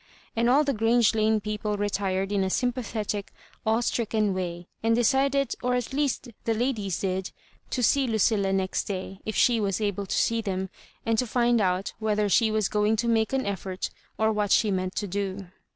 And all the Grange Lane people retired in a sympathetic, awe stricken way, and decided, or at least the ladies did, to see Lucilla next day, if she waa able to see them, and to find out whether she was Digitized by VjOOQIC MISS MABJOBIBAHTEa 149 going to make an effort, or what she meant to do.